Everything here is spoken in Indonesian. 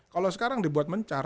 kalau sekarang dibuat mencar